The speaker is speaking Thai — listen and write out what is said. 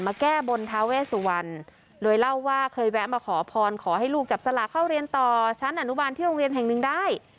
แก้บนทาเวสุวรรณโดยเล่าว่าเคยแวะมาขอพรขอให้ลูกจับสลากเข้าเรียนต่อชั้นอนุบาลที่โรงเรียนแห่งหนึ่งได้